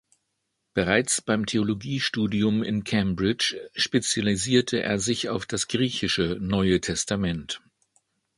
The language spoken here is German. Bereits beim Theologiestudium in Cambridge spezialisierte er sich auf das griechische Neue Testament.